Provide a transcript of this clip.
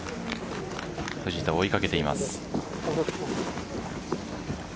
藤田を追いかけています。